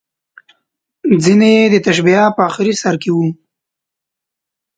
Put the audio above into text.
ځینې یې د تشبیه په اخري سر کې وو.